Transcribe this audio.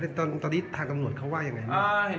แต่ว่าเมืองนี้ก็ไม่เหมือนกับเมืองอื่น